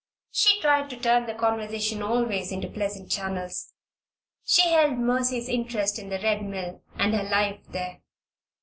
She tried to turn the conversation always into pleasant channels. She held Mercy's interest in the Red Mill and her life there.